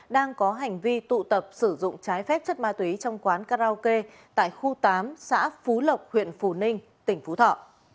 đang có hành vi tụ tập sử dụng trái phép chất ma túy trong quán karaoke tại khu tám xã phú lộc huyện phù ninh tỉnh phú thọ